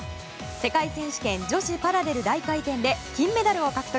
世界選手権女子パラレル大回転で金メダルを獲得。